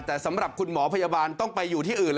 แต่สำหรับคุณหมอพยาบาลต้องไปอยู่ที่อื่น